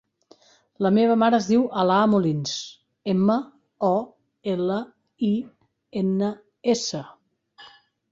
La meva mare es diu Alaa Molins: ema, o, ela, i, ena, essa.